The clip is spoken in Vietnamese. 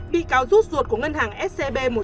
bị cáo rút ruột của ngân hàng scb